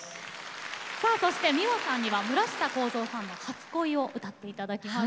さあそしてｍｉｗａさんには村下孝蔵さんの「初恋」を歌っていただきます。